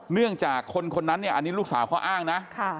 เนื่องจากคนคนนั้นเนี่ยอันนี้ลูกสาวเขาอ้างนะ